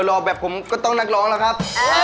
รอแบบผมก็ต้องนักร้องแล้วครับ